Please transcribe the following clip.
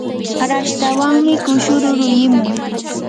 rashtawanmi kushuru yurimun.